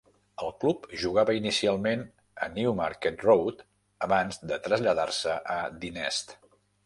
El club jugava inicialment a Newmarket Road abans de traslladar-se a The Nest.